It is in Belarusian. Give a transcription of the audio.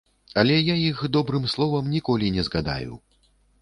Але я іх добрым словам ніколі не згадаю.